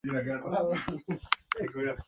En la actualidad solo perdura la versión holandesa.